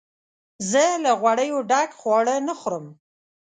زه له غوړیو ډک خواړه نه خورم.